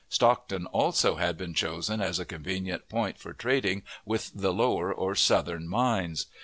Stockton also had been chosen as a convenient point for trading with the lower or southern mines.